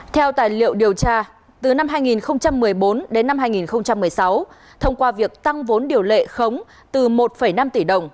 theo tài liệu điều tra từ năm hai nghìn một mươi bốn đến năm hai nghìn một mươi sáu thông qua việc tăng vốn điều lệ khống từ một năm tỷ đồng